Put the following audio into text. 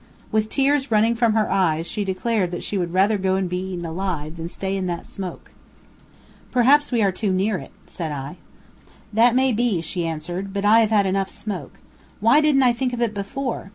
With tears running from her eyes, she declared that she would rather go and be eaten alive, than stay in that smoke. "Perhaps we were too near it," said I. "That may be," she answered, "but I have had enough smoke. Why didn't I think of it before?